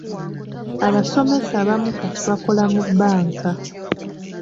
Abasomesa abamu kati bakola mu bbanka.